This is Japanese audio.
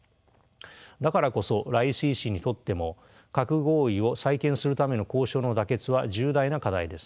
だからこそライシ師にとっても核合意を再建するための交渉の妥結は重大な課題です。